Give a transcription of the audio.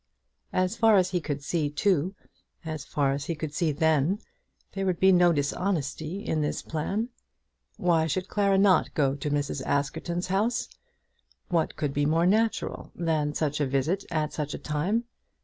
As far as he could see, too, as far as he could see then, there would be no dishonesty in this plan. Why should Clara not go to Mrs. Askerton's house? What could be more natural than such a visit at such a time?